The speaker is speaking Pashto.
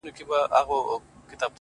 o د هجرت غوټه تړمه روانېږم،